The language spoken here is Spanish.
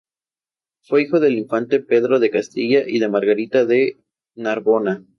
Fue hijo del infante Pedro de Castilla y de Margarita de Narbona.